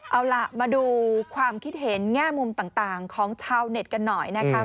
เอาล่ะมาดูความคิดเห็นแง่มุมต่างของชาวเน็ตกันหน่อยนะคะ